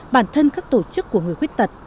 bản thân các tổ chức của người khuyết tật